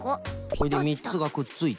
それでみっつがくっついた。